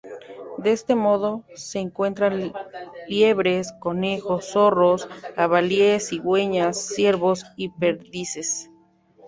De este modo, se encuentran liebres, conejos, zorros, jabalíes, cigüeñas, ciervos y perdices.